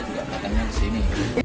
juga makannya di sini